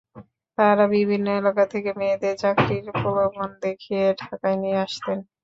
তাঁরা বিভিন্ন এলাকা থেকে মেয়েদের চাকরির প্রলোভন দেখিয়ে ঢাকায় নিয়ে আসতেন।